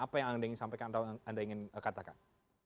apa yang anda ingin sampaikan atau ingin anda katakan